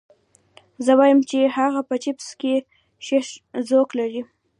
زه وایم چې هغه په چپس کې ښه ذوق لري